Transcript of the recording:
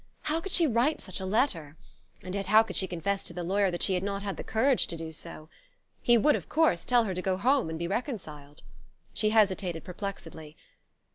How could she write such a letter? And yet how could she confess to the lawyer that she had not the courage to do so? He would, of course, tell her to go home and be reconciled. She hesitated perplexedly.